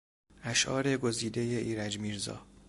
اشعار گزیدهی ایرج میرزا